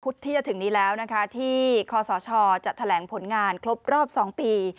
ที่จะถึงนี้แล้วนะคะที่คศจะแถลงผลงานครบรอบ๒ปี